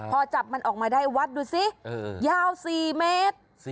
พอจับมันออกมาได้วัดดูสิยาว๔เมตร